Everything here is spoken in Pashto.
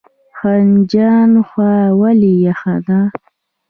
خنجان هوا ولې یخه ده؟